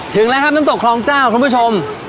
ถึงแล้วครับน้ำตกคลองเจ้าคุณผู้ชม